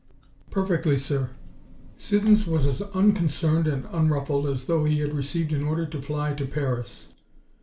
"Perfectly, sir." Siddons was as unconcerned and unruffled as though he had received an order to fly to Paris.